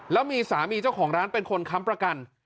แล้วมีสามีเจ้าของร้านเป็นคนค้ำประกัน